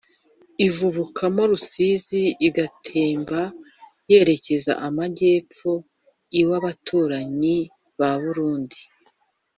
ivubukamo rusizi igatemba yerekeza amagepfo iw’abaturanyi b’abarundi;